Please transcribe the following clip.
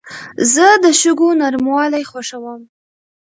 زه د شګو نرموالي خوښوم.